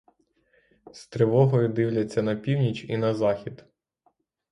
З тривогою дивляться на північ і на захід.